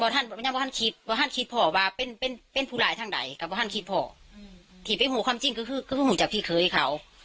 ที่เป็นหูความจริงก็คือคือคือของหูจากพี่เคยเขา